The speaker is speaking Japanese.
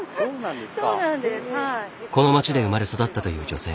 この町で生まれ育ったという女性。